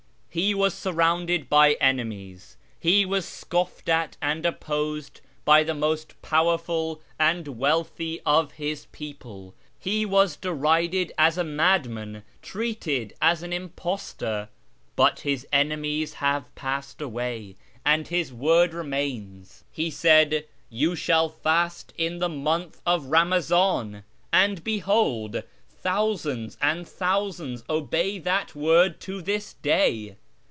He was surrounded by enemies, he was scoffed at and opposed by the most powerful and wealthy of his people, he was derided as a madman, treated as an impostor. But his enemies have passed away, and his word remains. He said, ' You shall fast in the month of Eamaziin,' and behold, thousands and thousands obey that word to this day.